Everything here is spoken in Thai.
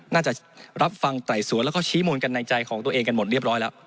น่าจะรับฟังไต่สวนแล้วก็ชี้มูลกันในใจของตัวเองกันหมดเรียบร้อยแล้ว